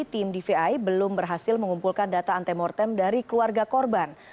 tim dvi belum berhasil mengumpulkan data antemortem dari keluarga korban